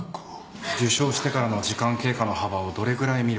受傷してからの時間経過の幅をどれぐらい見るか。